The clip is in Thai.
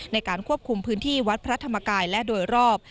ในการควบคุมพื้นที่วัดพระธรรมกายและโดยรอบ